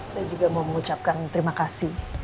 saya juga mau mengucapkan terima kasih